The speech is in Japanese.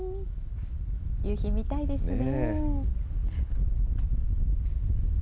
夕日見たいですね。